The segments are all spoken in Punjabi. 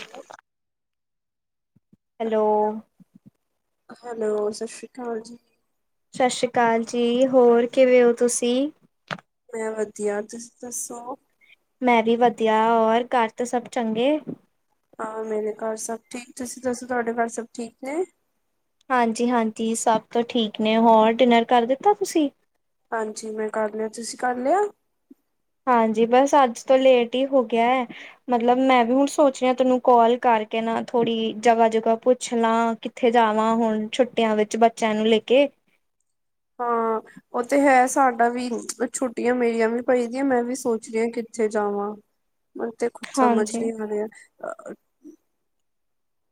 Hello. Hello. Hello Sat Sri ਅਕਾਲ ਜੀ। ਸਤਿ ਸ਼੍ਰੀ ਅਕਾਲ ਜੀ, ਹੋਰ ਕਿਵੇਂ ਹੋ ਤੁਸੀਂ? ਮੈਂ ਵਧੀਆ ਤੁਸੀਂ ਦੱਸੋ। ਮੈਂ ਵੀ ਵਧੀਆ ਹੋਰ ਘਰ ਤੋਂ ਸਭ ਚੰਗੇ। ਹਾਂ ਮੇਰੇ ਘਰ ਸਭ ਠੀਕ ਤੁਸੀਂ ਦੱਸੋ ਤੁਹਾਡੇ ਘਰ ਸਭ ਠੀਕ ਨੇ। ਹਾਂਜੀ ਹਾਂਜੀ ਸਭ ਤੋਂ ਠੀਕ ਨੇ ਹੋਰ ਡਿਨਰ ਕਰ ਦਿੱਤਾ ਤੁਸੀਂ। ਹਾਂਜੀ ਮੈਂ ਕਰ ਲਿਆ ਤੁਸੀਂ ਕਰ ਲਿਆ। ਹਾਂਜੀ ਬਸ ਅੱਜ ਤੋ ਲੇਟ ਹੀ ਹੋ ਗਿਆ ਐ। ਮਤਲਬ ਮੈਂ ਵੀ ਹੁਣ ਸੋਚ ਰੀ ਤੈਨੂੰ ਕਾਲ ਕਰਕੇ ਨਾ ਥੋੜ੍ਹੀ ਜਗ੍ਹਾ ਜਗ੍ਹਾ ਪੁੱਛ ਲਾਂ। ਕਿੱਥੇ ਜਾਵਾਂ ਹੁਨ ਛੁੱਟੀਆਂ ਵਿੱਚ ਬੱਚਿਆਂ ਨੂੰ ਲੈ ਕੇ। ਹਾਂ। ਓ ਤੇ ਹੈ ਸਾਡਾ ਵੀ, ਛੁੱਟੀਆਂ ਮੇਰੀਆਂ ਵੀ ਪਈ ਦੀਆਂ ਮੈਂ ਵੀ ਸੋਚ ਰਹੀ ਆਂ ਕਿੱਥੇ ਜਾਵਾਂ। ਮੈਂਨੂੰ ਤੇ ਖ਼ੁਦ ਸਮਝ ਹਾਂਜੀ ਨੀ ਆ ਰਿਹਾ ਆ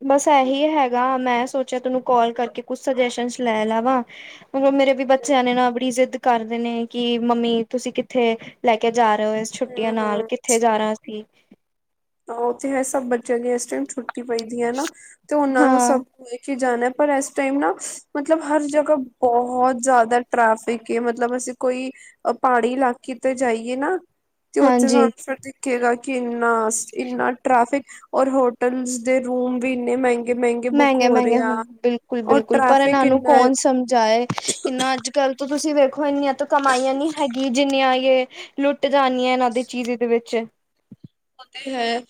ਬਸ ਐ ਹੀ ਹੈਗਾ ਮੈਂ ਸੋਚਿਆ ਤੈਨੂੰ ਕਾਲ ਕਰਕੇ ਕੁਛ ਸੁਜੈਸ਼ਨ ਲੈ ਲਵਾਂ। ਮਤਲਬ ਮੇਰੇ ਵੀ ਬੱਚਿਆਂ ਨੇ ਨਾ ਬੜੀ ਜਿੱਦ ਕਰਦੇ ਨੇ ਕਿ ਮੰਮੀ ਤੁਸੀਂ ਕਿੱਥੇ ਲੈ ਕੇ ਜਾ ਰਹੇ ਓ ਇਸ ਛੁੱਟੀਆਂ ਹਮ ਹਮ ਨਾਲ ਕਿੱਥੇ ਜਾਣਾ ਅਸੀਂ? ਓ ਤੇ ਹੈ ਸਭ ਬੱਚਿਆਂ ਦੀਆਂ ਇਸ ਟਾਈਮ ਛੁੱਟੀ ਪਈ ਦੀ ਐ ਨਾ ਤੇ ਓਨਾਂ ਨੂੰ ਹਾਂ ਸਭ ਲੇ ਕੇ ਜਾਨਾ ਪਰ ਇਸ ਟਾਈਮ ਨਾ ਮਤਲਬ ਹਰ ਜਗ੍ਹਾ ਬੋਹਤ ਜਾਦਾ ਟ੍ਰੈਫਿਕ ਏ ਮਤਲਬ ਅਸੀਂ ਕੋਈ ਪਹਾੜੀ ਇਲਾਕੇ ਤੇ ਜਾਈਏ ਨਾ ਤੇ ਓਥੇ ਸਾਨੂੰ ਹਾਂਜੀ ਫਿਰ ਦਿਖੇਗਾ ਕਿ ਇਨਾ-ਇੰਨਾ ਟ੍ਰੈਫਿਕ ਔਰ ਹੋਟਲਸ ਦੇ ਰੂਮ ਵੀ ਇੰਨੇ ਮਹਿੰਗੇ ਮਹਿੰਗੇ ਬੁੱਕ ਹੋ ਮਹਿੰਗੇ-ਮਹਿੰਗੇ ਰਹੇ ਹੁਨ ਆ ਔਰ ਬਿਲਕੁਲ-ਬਿਲਕੁਲ ਪਰ ਟ੍ਰੈਫਿਕ ਏਨਾਂ ਨੂੰ ਇੰਨਾ ਹੈ ਕੌਣ ਸਮਝਾਏ ਕਿੰਨਾ ਅੱਜ ਕੱਲ ਤੋਂ ਤੁਸੀਂ ਵੇਖੋ ਇੰਨੀਆਂ ਤੋਂ ਕਮਾਈਆਂ ਨੀ ਹੈਗੀਆਂ ਜਿੰਨੀਆਂ ਏ ਲੁੱਟ ਜਾਣੀ ਆ ਏਨਾਂ ਦੀ ਚੀਜ਼ ਦੇ ਵਿੱਚ ਓ ਤੇ ਹੈ,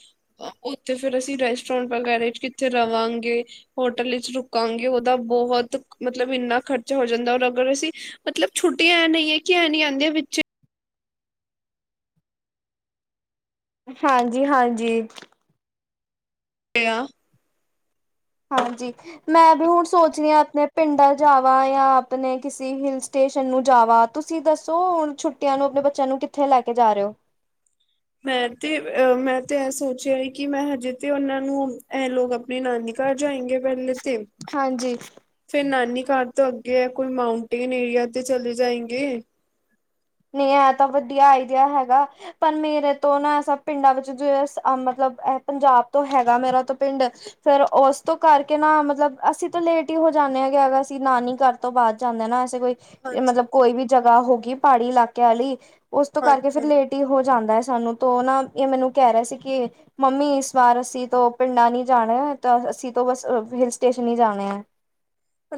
ਓਥੇ ਫੇਰ ਅਸੀਂ ਰੈਸਟੋਰੈਂਟ ਵਗੈਰਾ ਚ ਕਿੱਥੇ ਰਵਾਂਗੇ ਹੋਟਲ ਚ ਰੁਕਾਂਗੇ ਓਦਾ ਬੋਹਤ ਮਤਲਬ ਇੰਨਾ ਖ਼ਰਚਾ ਹੋ ਜਾਂਦਾ ਔਰ ਅਗਰ ਅਸੀਂ ਮਤਲਬ ਛੁੱਟੀ ਐਂ ਨਈ ਹੈ ਕਿਂ ਨੀ ਆਂਦੀ ਵਿੱਚੇ ਹਾਂਜੀ-ਹਾਂਜੀ। [unintelligible] ਹਾਂਜੀ ਮੈਂ ਵੀ ਹੁਣ ਸੋਚ ਰਹੀ ਆਂ ਆਪਣੇ ਪਿੰਡ ਜਾਵਾਂ ਜਾਂ ਆਪਣੇ ਕਿਸੇ ਹਿਲਸ ਸਟੇਸ਼ਨ ਨੂੰ ਜਾਵਾ ਤੁਸੀਂ ਦੱਸੋ ਹੁਨ ਛੁੱਟੀਆਂ ਨੂੰ ਆਪਣੇ ਬੱਚਿਆਂ ਨੂੰ ਕਿੱਥੇ ਲੈ ਕੇ ਜਾ ਰਹੇ ਓ? ਮੈਂ ਤੇ ਅ ਮੈਂ ਤੇ ਐ ਸੋਚਿਆ ਹੈ ਕਿ ਮੈਂ ਹਜੇ ਤੇ ਓਨਾਂ ਨੂੰ ਐ ਲੋਕ ਅਪਨੀ ਨਾਨੀ ਘਰ ਜਾਏਂਗੇੇ ਪਹਿਲੇ ਤੇ ਹਾਂਜੀ ਫੇਰ ਨਾਨੀ ਘਰ ਤੋਂ ਅੱਗੇ ਕੋਈ ਮਾਊਂਟੇਨ ਏਰੀਆ ਤੇ ਚਲੇ ਜਾਏਗੇ। ਨਈ ਐ ਤਾਂ ਵਧੀਆ ਆਈਡੀਆ ਹੈਗਾ। ਪਰ ਮੇਰੇ ਤੋਂ ਨਾ ਐਸਾ ਪਿੰਡਾਂ ਵਿੱਚ ਜੋ ਐ ਮਤਲਬ ਐ ਪੰਜਾਬ ਤੋਂ ਹੈਗਾ ਮੇਰਾ ਤੋਂ ਪਿੰਡ। ਫੇਰ ਉਸ ਤੋਂ ਕਰਕੇ ਨਾ ਮਤਲਬ ਅਸੀਂ ਤਾਂ ਲੇਟ ਹੀ ਹੋ ਜਾਂਨੇ ਹਗੇ ਅਗਰ ਅਸੀਂ ਨਾਨੀ ਘਰ ਤੋਂ ਬਾਅਦ ਜਾਂਦੇ ਨਾ ਐਸੇ ਕੋਈ ਮਤਲਬ ਹਾਂਜੀ ਕੋਈ ਵੀ ਜਗ੍ਹਾ ਹੋ ਗੀ ਪਹਾੜੀ ਇਲਾਕੇ ਵਾਲੀ ਓਸ ਤੋਂ ਕਰਕੇ ਹਾਂਜੀ ਫਿਰ ਹਾਂਜੀ ਲੇਟ ਹੀ ਹੋ ਜਾਂਦਾ ਹੈ ਸਾਨੂੰ ਤੋਂ ਨਾ ਐ ਮੈਨੂੰ ਕਹਿ ਰਿਹਾ ਸੀ ਕਿ ਮੰਮੀ ਇਸ ਵਾਰ ਅਸੀਂ ਤੋਂ ਪਿੰਡਾਂ ਨੀ ਜਾਣਾ ਤਾਂ ਅਸੀਂ ਤੋਂ ਬਸ ਹਿਲ ਸਟੇਸ਼ਨ ਹੀ ਜਾਣੇ ਐ।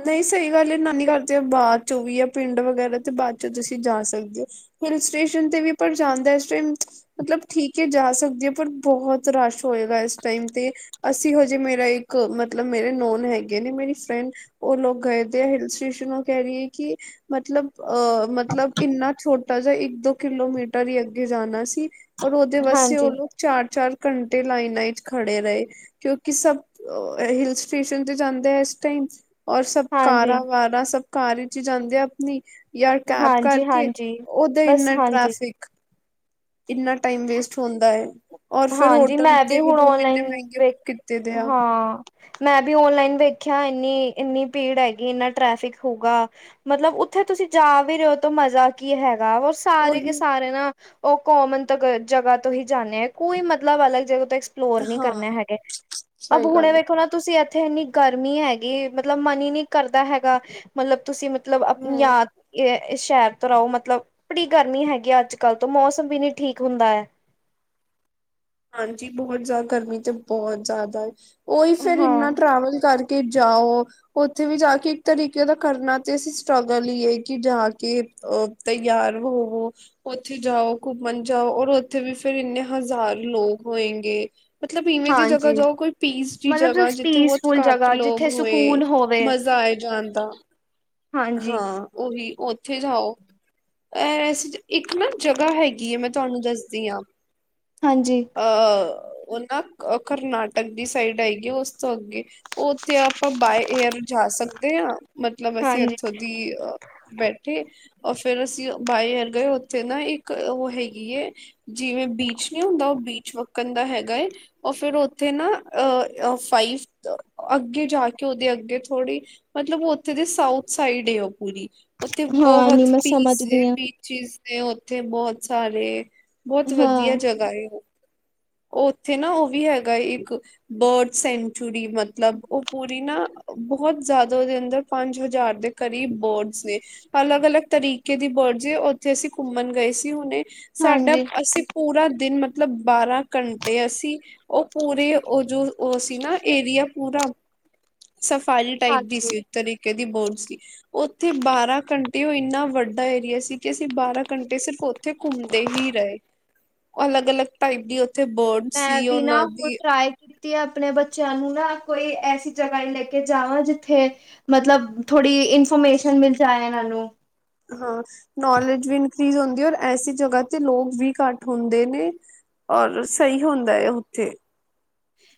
ਨਈ ਸਈ ਗੱਲ ਏ ਨਾਨੀ ਘਰ ਤੇ ਬਾਦ ਚੋਂ ਵੀ ਯਾ ਪਿੰਡ ਵਗੈਰਾ ਤੇ ਬਾਦ ਚੋਂ ਤੁਸੀਂ ਜਾ ਸਕਦੇ ਹੋ। ਹਿਲ ਸਟੇਸ਼ਨ ਤੇ ਵੀ ਪਰ ਜਾਨ ਦਾ ਇਸ ਟਾਈਮ ਮਤਲਬ ਠੀਕ ਏ ਜਾ ਸਕਦੇ ਐ ਪਰ ਬੋਤ ਰਸ਼ ਹੋਏਗਾ ਇਸ ਟਾਈਮ ਤੇ ਅਸੀਂ ਹਜੇ ਮੇਰਾ ਇੱਕ ਮਤਲਬ ਮੇਰੇ ਨੋਨ ਹੈਗੇ ਨੇ ਮੇਰੀ ਫਰੈਂਡ ਓ ਲੋਕ ਗਏ ਦੇ ਹਿਲ ਸਟੇਸ਼ਨ ਓ ਕਹਿ ਰੀ ਏ ਕਿ ਮਤਲਬ ਅਹ ਮਤਲਬ ਇੰਨਾ ਛੋਟ ਛੋਟਾ ਜਿਹਾ ਇੱਕ ਦੋ ਕਿਲੋਮੀਟਰ ਹੀ ਅੱਗੇ ਜਾਨਾ ਸੀ ਔਰ ਓਦੇ ਵਾਸਤੇ ਓ ਹਾਂਜੀ, ਲੋਕ ਚਾਰ-ਚਾਰ ਘੰਟੇ ਲਾਈਨਾਂ ਚ ਖੜੇ ਰਹੇ। ਕਿਉਂਕਿ ਸਭ ਹਿਲ ਸਟੇਸ਼ਨ ਤੇ ਜਾਂਦੇ ਐ ਇਸ ਟਾਈਮ। ਔਰ ਸਭ ਹਾਂਜੀ, ਕਾਰਾਂ ਵਾਰਾਂ, ਸਭ ਕਾਰ ਚ ਈ ਜਾਂਦੇ ਅਪਨੀ। ਯਾ ਕੈਬ ਹਾਂਜੀ, ਕਰਕੇ ਹਾਂਜੀ ਓਦਾ ਬਸ ਇੰਨਾ ਹਾਂਜੀ। ਟ੍ਰੈਫਿਕ ਇੰਨਾ ਟਾਈਮ ਵੇਸਟ ਹੁੰਦਾ ਏ ਔਰ ਫਿਰ ਹਾਂਜੀ ਹੋਟਲ ਮੈਂ ਦੇ ਵੀ ਹੁਣ ਰੂਮ ਇੰਨੇ ਔਨਲਾਈਨ ਮਹਿੰਗੇ ਵੇਖ ਬੁੱਕ ਕੀਤੇ ਦੇ ਆ ਹਾਂ ਮੈਂ ਵੀ ਓਨਲਾਈਨ ਵੇਖਿਆ ਇੰਨੀ-ਇੰਨੀ ਭੀੜ ਹੈਗੀ ਇੰਨਾ ਟ੍ਰੈਫਿਕ ਹੋਊਗਾ। ਮਤਲਬ ਉੱਥੇ ਤੁਸੀਂ ਜਾ ਵੀ ਰਹੇ ਹੋ ਤਾਂ ਮਜ਼ਾ ਕੀ ਹੈਗਾ ਰ ਸਾਰੇ ਕੇ ਉਹੀ ਸਾਰੇ ਨਾ ਉਹ ਕੋਮਨ ਤ ਜਗ੍ਹਾ ਤੋਂ ਹੀ ਜਾਂਦੇ ਆ ਕੋਈ ਮਤਲਬ ਅਲੱਗ ਜਗਾ ਤੋਂ ਲੋਰ ਨਹੀਂ ਹਾਂ ਕਰਨੇ ਹੈਗੇ ਅਬ ਸਹੀ ਹੁਣੇ ਗੱਲ ਵੇਖੋ ਨਾ ਤੁਸੀਂ ਉੱਥੇ ਇੰਨੀ ਗਰਮੀ ਹੈਗੀ ਮਤਲਬ ਮਨ ਹੀ ਨਹੀਂ ਕਰਦਾ ਹੈਗਾ ਮਤਲਬ ਤੁਸੀਂ ਮਤਲਬ ਆਪਣੀ ਹਮ ਯਾਦ ਇਹ ਸ਼ਹਿਰ ਤੋਂ ਰਹੋ ਮਤਲਬ ਬੜੀ ਗਰਮੀ ਹੈਗੀ ਆ ਅੱਜ ਕੱਲ ਤੋਂ ਮੌਸਮ ਵੀ ਨੀ ਠੀਕ ਹੁੰਦਾ ਹੈ ਹਾਂਜੀ ਬਹੁਤ ਜ਼ਿਆਦਾ ਗਰਮੀ ਚ ਬਹੁਤ ਜ਼ਿਆਦਾ ਉਹੀ ਫੇਰ ਹਾਂ ਇੰਨਾ ਟਰੈਵਲ ਕਰਕੇ ਕੇ ਜਾਓ ਉੱਥੇ ਵੀ ਜਾ ਕੇ ਇੱਕ ਤਰੀਕੇ ਦਾ ਕਰਨਾ ਤੇ ਅਸੀਂ ਸਟਰਗਲ ਹੀ ਏ ਕਿ ਜਾ ਕੇ ਅ ਤਯਾਰ ਹੋਵੋ ਉੱਥੇ ਜਾਓ ਘੁੰਮਣ ਜਾਓ ਔਰ ਉੱਥੇ ਵੀ ਫਿਰ ਇੰਨੇ ਹਜ਼ਾਰ ਲੋਕ ਹੋਏਗੇ ਮਤਲਬ ਇਵੇਂ ਦੀ ਜਗ੍ਹਾ ਹਾਂਜੀ ਜਾਓ ਕੋਈ ਪੀਸ ਜੀ ਮਤਲਬ ਜਗ੍ਹਾ ਤੁਸੀਂ ਜਿੱਥੇ ਬਹੁਤ ਪੀਸਫੁਲ ਘੱਟ ਜਗ੍ਹਾ ਲੋਕ ਜਿੱਥੇ ਹੋਏ ਸਕੂਨ ਹੋਵੇ ਮਜ਼ਾ ਆਏ ਜਾਂਣਦਾ ਹਾਂਜੀ। ਹਾਂ ਉਹੀ ਉੱਥੇ ਜਾਓ ਇਸ। ਇੱਕ ਨਾ ਜਗ੍ਹਾ ਹੈਗੀ ਹੈ ਮੈਂ ਤੁਹਾਨੂੰ ਦੱਸਦੀ ਹਾਂ ਹਾਂਜੀ ਅ ਉਹ ਨਾ ਕਰਨਾਟਕ ਦੀ ਸਾਈਡ ਆਏਗੀ ਉਸ ਤੋਂ ਅੱਗੇ। ਉੱਥੇ ਆਪਾਂ ਬਾਏ ਏਅਰ ਜਾ ਸਕਦੇ ਹਾਂ ਮਤਲਬ ਅਸੀਂ ਹਾਂਜੀ ਕੀ ਅ ਬੈਠੇ ਔਰ ਫੇਰ ਅਸੀਂ ਬਾਏ ਏਅਰ ਗਏ ਉੱਥੇ ਨਾ ਇੱਕ ਉਹ ਹੈਗੀ ਏ ਜਿਵੇਂ ਬੀਚ ਨਹੀਂ ਹੁੰਦਾ ਉਹ ਬੀਚ ਵੱਕਣ ਦਾ ਹੈਗਾ ਏ ਉਹ ਫੇਰ ਉੱਥੇ ਨਾ ਅਹ ਫਾਈਫ ਅੱਗੇ ਜਾ ਕੇ ਉਹਦੇ ਅੱਗੇ ਥੋੜ੍ਹੀ ਮਤਲਬ ਉੱਥੇ ਦੇ ਸਾਊਥ ਸਾਈਡ ਏ ਉਹ ਪੂਰੀ ਉੱਥੇ ਹਾਂ ਨੀ ਬਹੁਤ ਮੈਂ ਸਮਝ ਪੀਸ ਏ। ਗਈ ਹਾਂ ਚੀਜ਼ ਨੇ ਉੱਥੇ ਬਹੁਤ ਸਾਰੇ ਬਹੁਤ ਵਧੀਆ ਹਾਂ। ਜਗ੍ਹਾ ਏ ਉਹ ਉੱਥੇ ਨਾ ਉਹ ਵੀ ਹੈਗਾ ਇੱਕ ਬਰਡ ਸੈਂਚੁਰੀ ਮਤਲਬ ਉਹ ਪੂਰੀ ਨਾ ਬਹੁਤ ਜ਼ਿਆਦਾ ਉਹਦੇ ਅੰਦਰ ਪੰਜ ਹਜ਼ਾਰ ਦੇ ਕਰੀਬ ਬਰਡਸ ਨੇ ਅਲੱਗ, ਅਲੱਗ ਤਰੀਕੇ ਦੀ ਬਰਡਜ ਏ ਉੱਥੇ ਅਸੀਂ ਘੁੰਮਣ ਗਏ ਸੀ ਹੁਣੇ ਸਾਡਾ ਹਾਂਜੀ ਅਸੀਂ ਪੂਰਾ ਦਿਨ ਮਤਲਬ ਬਾਰਾਂ ਘੰਟੇ ਅਸੀਂ ਉਹ ਪੂਰੇ ਉਹ ਜੋ ਉਹ ਸੀ ਨਾ ਏਰੀਆ ਪੂਰਾ ਸਫਾਰੀ ਟਾਈਪ ਦੀ ਹਾਂਜੀ ਸੀ ਉਸ ਤਰੀਕੇ ਦੀ ਬੋਰਡਜ਼ ਸੀ। ਉੱਥੇ ਬਾਰਾਂ ਘੰਟੇ ਉਹ ਇੰਨਾ ਵੱਡਾ ਏਰੀਆ ਸੀ ਕਿ ਅਸੀਂ ਬਾਰਾਂ ਘੰਟੇ ਸਿਰਫ ਉੱਥੇ ਉੱਥੇ ਘੁੰਮਦੇ ਹੀ ਰਹੇ ਅਲੱਗ, ਅਲੱਗ ਟਾਈਪ ਦੀ ਬਰਡ ਮੈਂ ਸੀ ਵੀ ਨਾ ਉਹਨਾਂ ਹੁਣ ਦੀ ਟਰਾਈ ਕੀਤੀ ਆਪਣੇ ਬੱਚਿਆਂ ਨੂੰ ਨਾ ਕੋਈ ਐਸੀ ਜਗ੍ਹਾ ਲੈ ਕੇ ਜਾਵਾਂ ਜਿੱਥੇ ਮਤਲਬ ਥੋੜ੍ਹੀ ਇਨਫੋਰਮੇਸ਼ਨ ਮਿਲ ਜਾਏ ਇਹਨਾਂ ਨੂੰ। ਹਾਂ ਨੌਲੇਜ ਵੀ ਇਨਕਰੀਜ਼ ਹੁੰਦੀ ਔਰ ਐਸੀ ਜਗ੍ਹਾ ਤੇ ਲੋਕ ਵੀ ਘੱਟ ਹੁੰਦੇ ਨੇ। ਔਰ ਸਹੀ ਹੁੰਦਾ ਏ ਉੱਥੇ।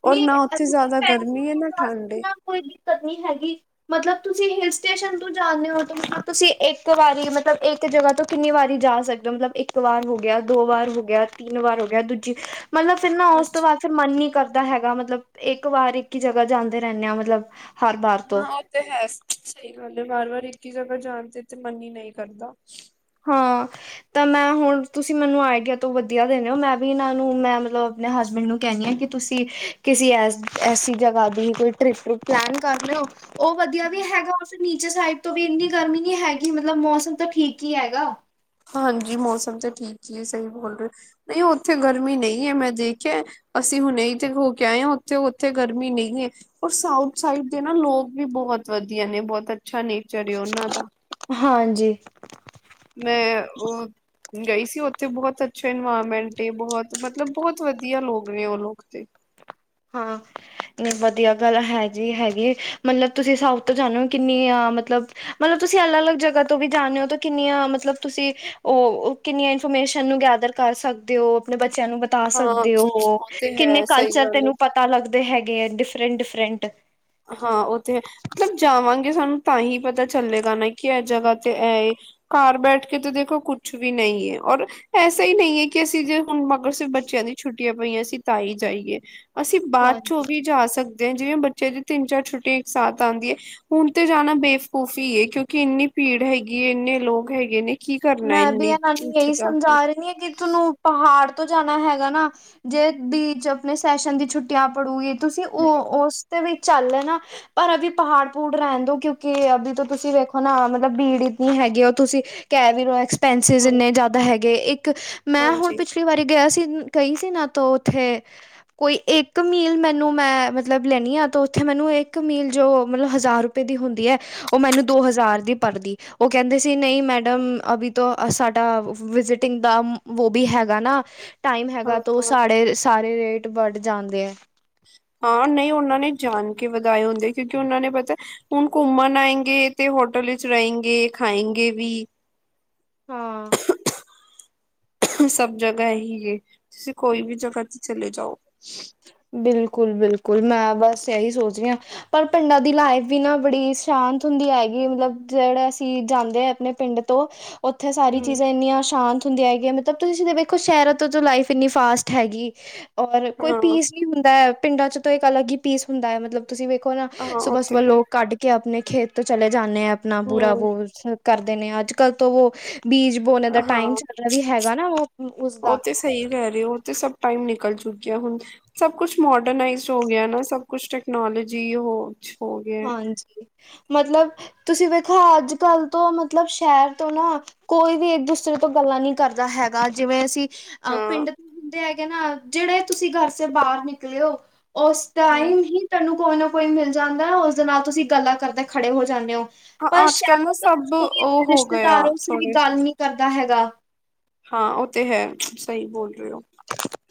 ਔਰ ਨਾ ਉੱਥੇ ਜ਼ਿਆਦਾ ਪੈਸੇ ਗਰਮੀ ਏ ਦੇਣ ਨਾ ਵਾਸਤੇ ਠੰਡ ਵੀ ਏ। ਨਾ ਕੋਈ ਦਿੱਕਤ ਨਹੀਂ ਹੈਗੀ। ਮਤਲਬ ਤੁਸੀਂ ਹਿਲ ਸਟੇਸ਼ਨ ਤੋਂ ਜਾਂਦੇ ਹੋ ਤੁਸੀਂ ਇੱਕ ਵਾਰੀ ਮਤਲਬ ਇਕ ਇੱਕ ਜਗ੍ਹਾ ਤੋਂ ਕਿੰਨੀ ਵਾਰੀ ਜਾ ਸਕਦੇ ਹੋ ਮਤਲਬ ਇੱਕ ਵਾਰ ਹੋ ਗਿਆ ਦੋ ਵਾਰ ਹੋ ਗਿਆ ਤਿੰਨ ਵਾਰ ਹੋ ਗਿਆ ਦੂਜੀ ਮਤਲਬ ਫਿਰ ਨਾ ਉਸ ਤੋਂ ਹਾਂਜੀ ਬਾਅਦ ਫਿਰ ਮਨ ਨੀ ਕਰਦਾ। ਦਾ ਹੈਗਾ ਮਤਲਬ ਇੱਕ ਵਾਰ ਇੱਕ ਹੀ ਜਗ੍ਹਾ ਜਾਂਦੇ ਰਹਿੰਦੇ ਆ ਮਤਲਬ ਹਰ ਵਾਰ ਤੋਂ ਹਾਂ ਉਹ ਤੇ ਹੈ ਸਹੀ ਗੱਲ ਹੈ ਵਾਰ, ਵਾਰ ਇੱਕ ਹੀ ਜਗ੍ਹਾ ਜਾਣ ਤੇ ਤੇ ਮਨ ਹੀ ਨਹੀਂ ਕਰਦਾ। ਹਾਂ। ਤਾਂ ਮੈਂ ਹੁਣ ਤੁਸੀਂ ਮੈਨੂੰ ਆਈਡੀਆ ਤੋਂ ਵਧੀਆ ਦੇਿੰਨੇ ਹੋ ਮੈਂ ਵੀ ਇਹਨਾਂ ਨੂੰ ਮੈਂ ਮਤਲਬ ਆਪਣੇ ਹਸਬੈਂਡ ਨੂੰ ਕਹਿੰਦੀ ਹਾਂ ਕਿ ਤੁਸੀਂ ਕਿਸੇ ਐਸ-ਐਸੀ ਜਗ੍ਹਾ ਦੀ ਕੋਈ ਟ੍ਰਿਪ ਟੁਰਪ ਪਲੈਨ ਕਰ ਲਿਓ। ਉਹ ਵਧੀਆ ਵੀ ਹੈਗਾ ਫਿਰ ਨੀਚੇ ਸਾਈਡ ਤੋਂ ਵੀ ਇੰਨੀ ਗਰਮੀ ਨੀ ਹੈਗੀ ਮਤਲਬ ਮੌਸਮ ਤਾਂ ਠੀਕ ਹੀ ਹੈਗਾ। ਹਾਂਜੀ, ਮੌਸਮ ਤਾਂ ਠੀਕ ਹੀ ਸਹੀ ਬੋਲ ਰਹੇ, ਨਹੀਂ ਉੱਥੇ ਗਰਮੀ ਨਹੀਂ ਹੈ ਮੈਂ ਦੇਖਿਆ ਅਸੀਂ ਹੁਣੇ ਹੀ ਤੇ ਹੋ ਕੇ ਆਏ ਹਾਂ ਉੱਥੇ-ਉੱਥੇ ਗਰਮੀ ਨਹੀਂ ਹੈ। ਔਰ ਸਾਊਥ ਸਾਈਡ ਦੇ ਨਾ ਲੋਕ ਵੀ ਬਹੁਤ ਵਧੀਆ ਨੇ ਬਹੁਤ ਅੱਛਾ ਨੇ ਹਾਂਜੀ। ਮੈਂ ਉਹ ਗਈ ਸੀ ਉੱਥੇ ਬਹੁਤ ਅੱਛਾ ਇਨਵਾਇਰਮੈਂਟ ਏ ਬਹੁਤ ਮਤਲਬ ਬਹੁਤ ਵਧੀਆ ਲੋਕ ਨੇ ਉਹ ਲੋਕ ਤੇ। ਹਾਂ। ਨਹੀਂ ਵਧੀਆ ਗੱਲ ਹੈ ਜੀ ਹੈਗੀ ਮਤਲਬ ਤੁਸੀਂ ਸਾਊਥ ਤੋਂ ਜਾਂਦੇ ਹੋ ਕਿੰਨੀ ਆ ਮਤਲਬ ਮਤਲਬ ਤੁਸੀਂ ਅਲੱਗ-ਅਲੱਗ ਜਗ੍ਹਾ ਤੋਂ ਵੀ ਜਾਂਦੇ ਹੋ ਤਾਂ ਕਿੰਨੀਆਂ ਮਤਲਬ ਤੁਸੀਂ ਉਹ ਕਿੰਨੀਆਂ ਇਨਫੋਰਮੇਸ਼ਨ ਨੂੰ ਗੈਦਰ ਕਰ ਸਕਦੇ ਹੋ ਆਪਣੇ ਬੱਚਿਆਂ ਨੂੰ ਬਤਾ ਹਾਂ ਸਕਦੇ ਹੋ ਉਹ ਤੇ ਕਿੰਨੇ ਹੈ ਸਹੀ ਕਲਚਰ ਗੱਲ ਹੈ ਤੈਨੂੰ ਪਤਾ ਲੱਗਦੇ ਹੈਗੇ ਹੈ ਡਿਫਰੈਂਟ-ਡਿਫਰੈਂਟ। ਹਾਂ, ਉਹਥੇ ਹੈ ਮਤਲਬ ਜਾਵਾਂਗੇ ਸਾਨੂੰ ਤਾਂ ਹੀ ਪਤਾ ਚੱਲੇਗਾ ਨਾ ਕਿ ਇਸ ਜਗ੍ਹਾ ਤੇ ਏਹੋ। ਘਰ ਬੈਠ ਕੇ ਤੇ ਦੇਖੋ ਕੁਛ ਵੀ ਨਹੀਂ ਹੈ ਔਰ ਐਸਾ ਹੀ ਨਹੀਂ ਹੈ ਕਿ ਅਸੀਂ ਜੇ ਹੁਣ ਮਗਰ ਬੱਚਿਆਂ ਦੀ ਛੁੱਟੀਆਂ ਪਈਆਂ ਅਸੀਂ ਤਾਂ ਹੀ ਜਾਈਏ। ਅਸੀਂ ਬਾਅਦ ਹਾਂਜੀ ਚੋਂ ਵੀ ਜਾ ਸਕਦੇ ਹਾਂ ਜਿਵੇਂ ਬੱਚੇ ਦੀ ਤਿੰਨ-ਚਾਰ ਛੁੱਟੀ ਇੱਕ ਸਾਥ ਆਉਂਦੀ ਹੈ। ਹੁਣ ਤੇ ਜਾਣਾ ਬੇਕੂਫੀ ਹੈ ਕਿਉਂਕਿ ਇੰਨੀ ਭੀੜ ਹੈਗੀ ਇੰਨੇ ਲੋਕ ਹੈਗੇ ਨੇ। ਕੀ ਕਰਨਾ ਮੈਂ ਵੀ ਇੰਨੀ ਇਹਾਨਾ ਨੂੰ ਉੱਥੇ ਇਹੀ ਜਾ ਸਮਝਾ ਕੇ ਰਹੀ ਹਾਂ ਕਿਥਨੂੰ ਪਹਾੜ ਤੋਂ ਜਾਣਾ ਹੈਗਾ ਨਾ ਜੇ ਬੀਚ ਆਪਣੇ ਸੈਸ਼ਨ ਦੀ ਛੁੱਟੀਆਂ ਪੜੂਗੀ। ਤੁਸੀਂ ਉਹ, ਉਸ ਦੇ ਵਿੱਚ ਚੱਲ ਲੈਣਾ ਪਰ ਅਭੀ ਪਹਾੜ ਪੂੜ ਰਹਿਣ ਦੋ, ਕਿਉਂਕਿ ਅਭੀ ਤੋਂ ਤੁਸੀਂ ਵੇਖੋ ਨਾ ਮਤਲਬ ਭੀੜ ਇੰਤਨੀ ਹੈਗੀ। ਤੁਸੀਂ ਕਹਿ ਵੀ ਰੋ ਐਕਸਪੈਂਸਿਸ ਹਾਂ ਇੰਨੇ ਜ਼ਿਆਦਾ ਹੈਗੇ। ਇੱਕ ਮੈਂ ਹੁਣ ਹਾਂਜੀ ਪਿਛਲੇ ਇਕ ਵਾਰੀ ਗਿਆ ਸੀ ਗਈ ਸੀ। ਗਈ ਸੀ ਨ ਤੋਂ ਉੱਥੇ ਕੋਈ ਇੱਕ ਮੀਲ ਮੈਨੂੰ, ਮੈਂ ਮਤਲਬ ਲੈਦੀ ਹਾਂ ਤਾਂ ਉੱਥੇ, ਮੈਨੂੰ ਇੱਕ ਮੀਲ ਜੋ ਮਤਲਬ ਹਜ਼ਾਰ ਰੁ ਦੀ ਹੁੰਦੀ ਹੈ। ਉਹ ਮੈਨੂੰ ਦੋ ਹਜ਼ਾਰ ਦੀ ਪੜ੍ਹਦੀ ਉਹ ਕਹਿੰਦੇ ਸੀ, ਨਹੀਂ ਮੈਡਮ ਅਭੀ ਤੋਂ ਸਾਡਾ ਵਿਜਿਟਿੰਗ ਦਾ ਵੋ ਵੀ ਹੈਗਾ ਨਾ ਟਾਈਮ ਹਾਂ ਹੈਗਾ, ਤਾਂ ਉਹ ਹਾਂ ਸਾਡੇ ਸਾਰੇ ਰੇਟ ਵੱਢ ਜਾਂਦੇ ਹੈ। ਹਾਂ ਨਹੀਂ, ਉਹਨਾਂ ਨੇ ਜਾਣ ਕੇ ਵਧਾਏ ਹੁੰਦੇ, ਕਿਉਂਕਿ ਉਹਨਾਂ ਨੇ ਪਤਾ ਹੁਣ ਘੁੰਮਣ ਆਏਗੇ। ਤੇ ਹੋਟਲ ਵਿੱਚ ਰਹੇਗੇ ਖਾਏਗੇ ਵੀ ਹਾ। ਸਭ ਜਗ੍ਹਾ ਏਹੀਂ ਏ, ਤੁਸੀਂ ਕੋਈ ਵੀ ਜਗ੍ਹਾ ਤੇ ਚਲੇ ਜਾਓ। ਬਿਲਕੁਲ- ਬਿਲਕੁਲ, ਮੈਂ ਬਸ ਇਹੀ ਸੋਚਦੀ ਹਾਂ। ਪਰ ਪਿੰਡਾਂ ਦੀ ਲਾਈਫ ਵੀ ਨਾ ਬੜੀ ਸ਼ਾਂਤ ਹੁੰਦੀ ਹੈਗੀ। ਮਤਲਬ ਜਿਹੜਾ ਅਸੀਂ ਜਾਂਦੇ ਹਾ। ਆਪਣੇ ਪਿੰਡ ਤੋਂ, ਉੱਥੇ ਸਾਰੀ ਹੂੰ ਚੀਜ਼ਾਂ ਇੰਨੀਆਂ ਸ਼ਾਂਤ ਹੁੰਦੀਆਂ ਹੈਗੀਆਂ ਮਤਲਬ, ਤੁਸੀਂ ਵੇਖੋ ਸ਼ਹਿਰਾਂ ਤੋਂ ਲਾਈਫ ਇੰਨੀ ਫਾਸਟ ਹੈਗੀ, ਔਰ ਕੋਈ ਹਾਂ ਕੀ ਹੁੰਦਾ ਹੈ। ਪਿੰਡਾਂ ਚ ਤਾਂ ਇੱਕ ਅਲੱਗ ਹੀ ਪੀਸ ਹੁੰਦਾ ਹੈ। ਮਤਲਬ, ਤੁਸੀਂ ਵੇਖੋ ਨਾ ਹਾਂ ਉਹ ਸੁਬਾਹ ਤੇ ਸੁਬਾਹ ਹੈ ਲੋਕ ਕੱਢ ਕੇ ਕਿ ਆਪਣੇ ਖੇਤ ਤੋਂ ਚਲੇ ਜਾਂਦੇ ਆ। ਆਪਣਾ ਪੂਰਾ ਹੂੰ ਵੋ ਕਰਦੇ ਨੇ ਅੱਜ-ਕੱਲ੍ਹ ਤੋਂ ਉਹ ਬੀਂਜ ਬੌਨੇ ਹਾਂ ਟਾਈਮ ਵੀ ਹੈਗਾ ਨਾ ਉਸ ਦਾ। ਸਹੀਂ ਕਹਿ ਰਹੇ ਹੋ, ਉਹ ਤੇ ਸਭ ਟਾਇਮ ਨਿਕਲ ਚੁੱਕਿਆ ਹੁਣ ਸਭ ਕੁਛ ਮੋਡਰਨਾਈਜ਼ਡ ਹੋ ਗਿਆ ਨਾ ਸਭ ਕੁਛ ਟੈਕਨੋਲੋਜੀ ਹੋ ਹੋ ਗਿਆ ਹਾਂਜੀ, ਮਤਲਬ ਤੁਸੀਂ ਵੇਖੋ, ਅੱਜ-ਕੱਲ੍ਹ ਤੋਂ, ਮਤਲਬ ਸ਼ਹਿਰ ਤੋਂ ਨਾ ਕੋਈ ਵੀ ਇੱਕ- ਦੂਸਰੇ ਤੋਂ ਗੱਲਾਂ ਨਹੀਂ ਕਰਦਾ ਹੈਗਾ। ਜਿਵੇਂ ਅਸੀਂ ਅਹ ਹਾਂ ਪਿੰਡ ਦੇ ਹੈਗੇ ਨਾ ਜਿਹੜੇ, ਤੁਸੀਂ ਘਰ ਦੇ ਬਾਹਰ ਨਿਕਲੇ ਹੋ। ਉਸ ਹਾਂ ਟਾਈਮ ਹੀ ਤੈਨੂੰ ਕੋਈ ਨਾ ਕੋਈ ਮਿਲ ਜਾਂਦਾ। ਉਸਦੇ ਨਾਲ ਤੁਸੀਂ ਗੱਲਾਂ ਕਰਦੇ ਖੜੇ ਹੋ ਜਾਂਦੇ ਹੋ। ਪਰ ਅੱਜ ਕੱਲ ਨਾ ਸ਼ਾਯਦ ਵਿੱਚ ਸਭ ਕੋਈ ਉਹ ਹੋ ਗਿਆ ਰਿਸ਼ਤੇਦਾਰੋ ਸੇ ਵੀ ਥੋੜੇ ਗੱਲ ਨੀ ਕਰਦਾ ਹੈਗਾ। ਹਾਂ, ਓ ਤੇ ਹੈ ਸਹੀ ਬੋਲ ਰਹੇ ਓ। [inaudible]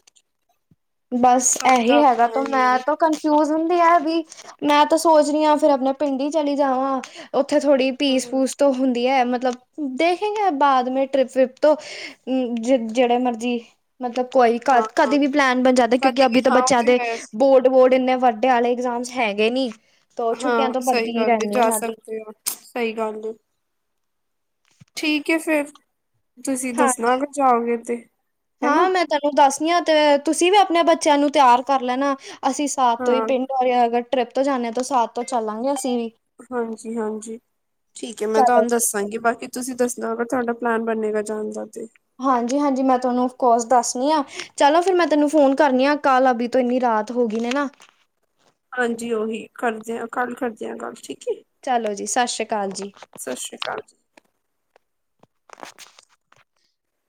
ਬਸ ਸਭ ਦਾ ਐਹੀ ਹੈਗਾ ਆਪਣਾ ਤੋ ਹੀ ਹੈ ਮੈਂ ਤੋ ਕਨਫਿਊਜ ਹੁੰਦੀ ਐ ਵੀ। ਮੈਂ ਤਾਂ ਸੋਚ ਰੀ ਆਂ ਫਿਰ ਆਪਣੇ ਪਿੰਡ ਈ ਚਲੀ ਜਾਵਾਂ। ਓਥੇ ਥੋੜ੍ਹੀ ਹੂੰ, ਪੀਸ-ਪੂਸ ਤੋਂ ਹੁੰਦੀ ਹੈ, ਮਤਲਬ ਦੇਖੇਗੇਂ ਅਬ ਬਾਅਦ ਮੇ ਟਰਿੱਪ-ਵਿਰਿੱਪ ਤੋਂ ਹੂੰ ਜੇੜੇ ਮਰਜੀਂ ਮਤਲਬ, ਕੋਈ ਕ ਹਾਂ-ਹਾਂ ਕਦੇ ਵੀ ਪਲੈਨ ਬਣ ਕਿਉਂਕਿ, ਕਦੇ ਵੀ ਅਭੀ ਤੋ ਹਾਂ ਉਹ ਬੱਚਿਆਂ ਤੇ ਦੇ ਹੈ। ਬੋਰਡ-ਵੋਰਡ ਇੰਨੇ ਵੱਡੇ ਆਲੇ ਇਗਜ਼ਾਮ ਹੈਗੇ ਨੀ। ਤੋ ਹਾਂ ਛੁੱਟੀਆਂ ਤੋਂ ਸਹੀਂ ਪੜ੍ਹਦੀ ਗੱਲ ਏ, ਰਹਿੰਦੀ ਜਾ ਇਹਨਾਂ ਦੀ ਸਕਦੇ ਓ ਸਹੀਂ ਗੱਲ ਏ। ਠੀਕ ਐ ਫੇਰ, ਤੁਸੀਂ ਦੱਸਣਾ ਹਾਂਜੀ ਅਗਰ ਜਾਓਗੇ ਤੇ ਹੈਨਾ ਦੱਸਣਿਆ ਤੇ ਤੁਸੀਂ ਵੀ, ਆਪਣੇ ਬੱਚਿਆਂ ਨੂੰ ਤੇਆਰ ਕਰ ਲੈਣਾ। ਅਸੀਂ ਸਾਥ ਤੋਂ ਹੀ ਹਾਂ। ਪਿੰਡ [unintelligible] ਅਗਰ ਟ੍ਰਿਪ ਤੋਂ ਜਾਣਾ ਤੋਂ ਸਾਥ ਤੋਂ ਚੱਲਾਂਗੇ ਅਸੀਂ ਵੀ। ਹਾਂਜੀ-ਹਾਂਜੀ ਠੀਕ ਐ। ਮੈਂ ਚਲੋ ਤੁਹਾਨੂੰ ਦੱਸਾਂਗੀ ਬਾਕੀ ਤੁਸੀਂ ਦੱਸਣਾ, ਅਗਰ ਤੁਆਡਾ ਪਲੈਨ ਬਣੇੇਗਾ ਜਾਣ ਦਾ ਤੇ ਹਾਂਜੀ-ਹਾਂਜੀ, ਮੈਂ ਤੁਹਾਨੂੰ ਅਫਕੋਰਸ ਦੱਸਣੀ ਆਂ ਚਲਾ ਫੇਰ ਮੈਂ ਤੈਨੂੰ ਫੋਨ ਕਰਨੀ ਹਾਂ ਕਾਲ ਅਭੀ ਤੋ ਇੰਨੀ ਰਾਤ ਹੋ ਗਈ ਨੇ ਨਾ। ਹਾਂਜੀ ਓਹੀ ਕਰਦੇ ਆ ਕੱਲ ਕਰਦੇ ਆ ਗੱਲ ਠੀਕ ਏ। ਚਲੋ ਜੀ, ਸ਼ਾ ਸ਼੍ਰੀ ਕਾਲ ਜੀ। ਸਤਿ ਸ਼੍ਰੀ ਕਾਲ।